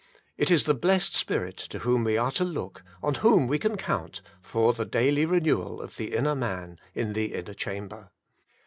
^' It is the blessed Spirit to whom we are to look, on whom we can count, for the daily renewal of the inner man in the inner chamber.